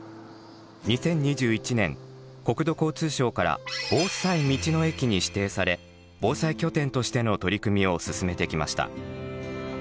２０２１年国土交通省から「防災道の駅」に指定され防災拠点としての取り組みを進めてきました。